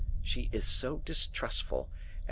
She is so distrustful, and M.